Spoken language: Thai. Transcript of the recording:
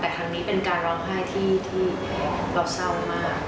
แต่ครั้งนี้เป็นการร้องไห้ที่เราเศร้ามาก